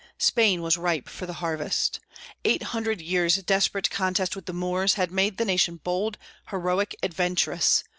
Spain was ripe for the harvest. Eight hundred years' desperate contest with the Moors had made the nation bold, heroic, adventurous.